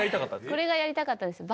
これがやりたかったんですよ。